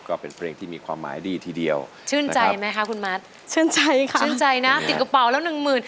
ร้องได้ให้ร้อง